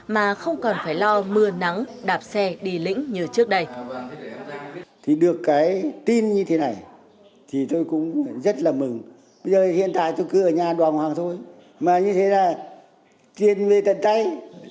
mà không còn phải lo mưa nắng đạp xe đi lĩnh như trước đây